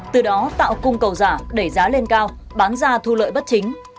từ đó tạo cung cầu giả đẩy giá lên cao bán ra thu lợi bất chính